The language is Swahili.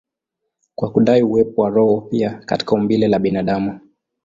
kwa kudai uwepo wa roho pia katika umbile la binadamu.